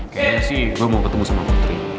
kayaknya sih gue mau ketemu sama menteri